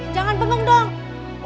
jangan bengong dong